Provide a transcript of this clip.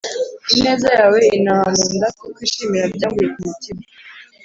ineza yawe intaha mu nda: kukwishimira byanguye ku mutima